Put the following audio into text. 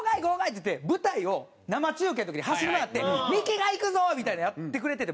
っつって舞台を生中継の時に走り回って「ミキが行くぞ！」みたいなのやってくれてて。